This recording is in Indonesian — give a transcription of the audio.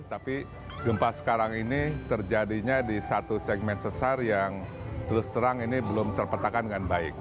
tapi gempa sekarang ini terjadinya di satu segmen sesar yang terus terang ini belum terpetakan dengan baik